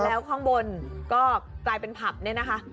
แล้วข้างบนก็กลายเป็นผับเนี่ยนะคะ